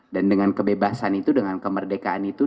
dan dengan kebebasan itu dengan kemerdekaan itu